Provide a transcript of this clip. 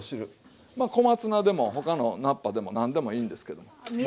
まあ小松菜でも他の菜っぱでも何でもいいんですけども。